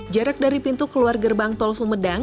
jarak dari pintu keluar gerbang tol sumedang